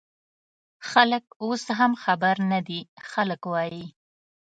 خلک اوس هم خبر نه دي، خلک وايي